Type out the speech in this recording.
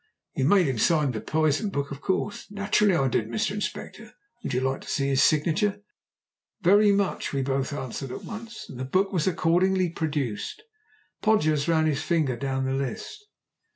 "You made him sign the poison book, of course?" "Naturally I did, Mr. Inspector. Would you like to see his signature?" "Very much," we both answered at once, and the book was accordingly produced. Podgers ran his finger down the list.